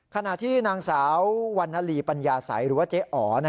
ขณะที่นางสาววันนาลีปัญญาสัยหรือว่าเจ๊อ๋อ